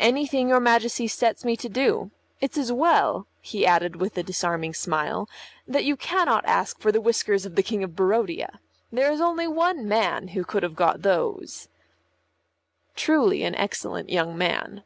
"Anything your Majesty sets me to do. It's as well," he added with a disarming smile, "that you cannot ask for the whiskers of the King of Barodia. There is only one man who could have got those." Truly an excellent young man.